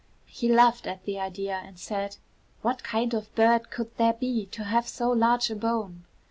He laughed at the idea, and said: "What kind of bird could there be to have so large a bone?"